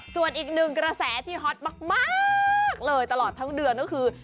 ส่วนอีกหนึ่งกระแสที่ฮอตมากเลยตลอดทั้งเดือนก็คือ